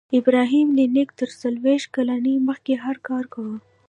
ابراهم لینکن تر څلویښت کلنۍ مخکې هر کار کاوه